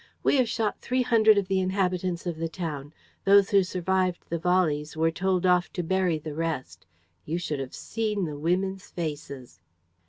'We have shot three hundred of the inhabitants of the town. Those who survived the volleys were told off to bury the rest. You should have seen the women's faces!'"